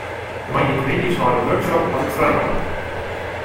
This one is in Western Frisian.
De moandeitemiddeis nei de workshop haw ik frij nommen.